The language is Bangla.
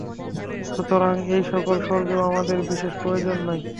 সুতরাং এই-সকল স্বর্গেও আমাদের বিশেষ প্রয়োজন নাই।